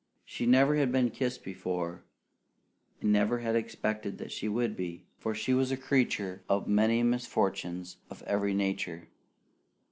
She never had been kissed before, and never had expected that she would be, for she was a creature of many misfortunes of every nature.